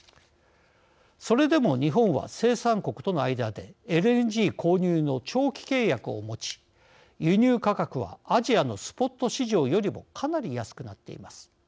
それでも日本は、生産国との間でＬＮＧ購入の長期契約を持ち輸入価格はアジアのスポット市場よりもかなり安くなっています。